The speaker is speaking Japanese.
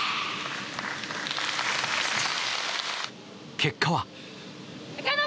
結果は。